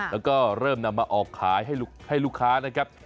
แล้วก็เริ่มนำมาออกขายให้ลูกค้านะครับ